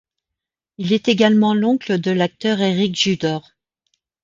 Il est également l'oncle de l'acteur Éric Judor.